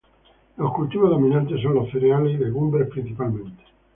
Los cultivos dominantes son los cereales y legumbres principalmente.